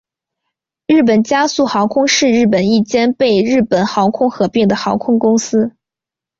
日本佳速航空是日本一间被日本航空合并的航空公司。